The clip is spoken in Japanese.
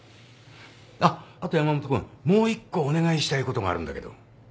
あっあと山本君もう一個お願いしたいことがあるんだけど。